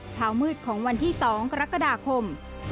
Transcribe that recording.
เช้ามืดของวันที่๒กรกฎาคม๒๕๖